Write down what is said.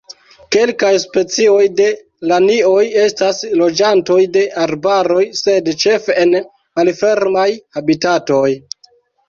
Kelkaj specioj de lanioj estas loĝantoj de arbaroj, sed ĉefe en malfermaj habitatoj.